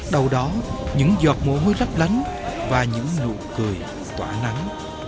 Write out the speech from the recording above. đầu đó những giọt mồ hôi lấp lánh và những nụ cười tỏa nắng